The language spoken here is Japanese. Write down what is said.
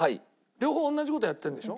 両方同じ事やってるんでしょ？